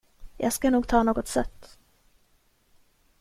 Jag ska nog ta något sött.